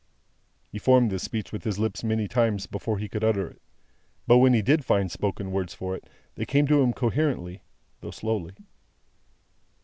He formed this speech with his lips many times before he could utter it. But when he did find spoken words for it, they came to him coherently, though slowly.